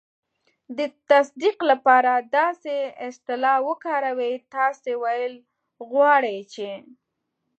د تصدیق لپاره داسې اصطلاح وکاروئ: "تاسې ویل غواړئ چې..."